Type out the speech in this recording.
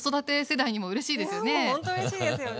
いやほんとうれしいですね。